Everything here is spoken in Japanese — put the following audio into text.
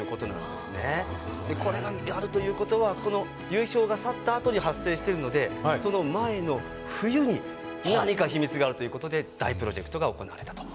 でこれがあるということはこの流氷が去ったあとに発生してるのでその前の冬に何か秘密があるということで大プロジェクトが行われたということなんです。